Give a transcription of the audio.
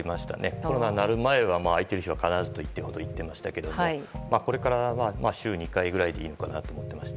コロナになる前は空いている日は必ずと行っていましたけれどもこれからは週２回くらいでいいのかなと思っていまして。